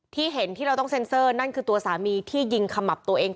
ที่เห็นที่เราต้องเซ็นเซอร์นั่นคือตัวสามีที่ยิงขมับตัวเอง